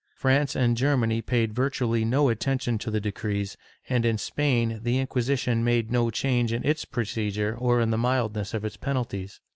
France and Germany paid virtually no attention to the decrees, and in Spain the Inquisition made no change in its procedure or in the mildness of its penalties.